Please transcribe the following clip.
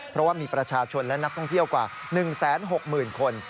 เพราะว่ามีประชาชนและนักท่องเที่ยวกว่า๑๖๐๐๐คน